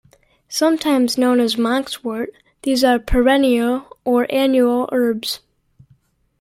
Sometimes known as monkswort, these are perennial or annual herbs.